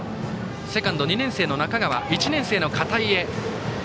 セカンド、２年生の中川から１年生の片井へ。